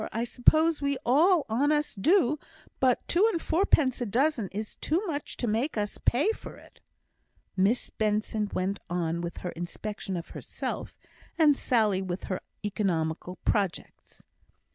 I suppose we all on us do. But two and fourpence a dozen is too much to make us pay for it." Miss Benson went on with her inspection of herself, and Sally with her economical projects.